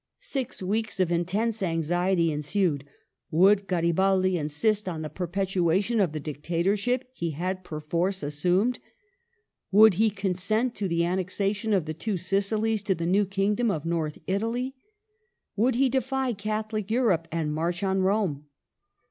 Six weeks of intense anxiety ensued. Would Garibaldi insist on the perpetuation of the Dictatorship he had perforce assumed ? Would he consent to the annexation of the Two Sicilies to the new Kingdom of North Italy ? Would he defy Catholic Europe and march on Rome